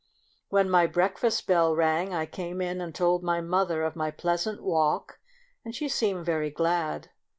When my breakfast bell rang, I came in and told my mother of my pleasant walk, and she seemed very glad.